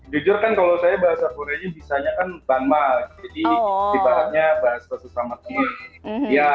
jujur kan kalau saya bahasa koreanya bisanya kan banmal jadi dibahasnya bahasa sesama sama